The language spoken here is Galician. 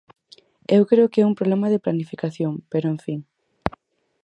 Eu creo que é un problema de planificación, pero, en fin.